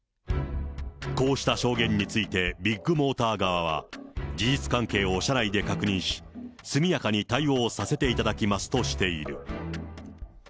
こうした証言について、ビッグモーター側は、事実関係を社内で確認し、速やかに対応させていただきますとしている。